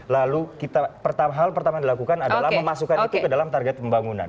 lalu hal pertama yang dilakukan adalah memasukkan itu ke dalam target pembangunan